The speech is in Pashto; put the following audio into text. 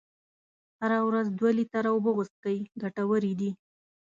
هره ورځ دوه لیتره اوبه وڅښئ ګټورې دي.